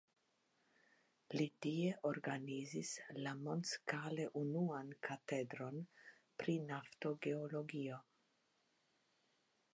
Li tie organizis la mondskale unuan katedron pri naftogeologio.